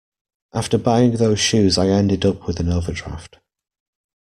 After buying those shoes I ended up with an overdraft